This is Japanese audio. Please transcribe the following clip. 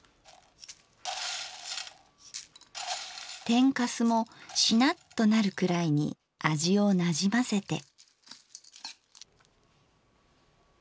天かすもシナッとなるくらいに味をなじませて。